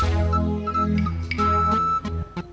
harga diri harga diri